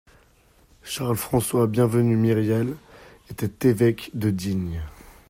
Charles-François-Bienvenu Myriel était évêque de Digne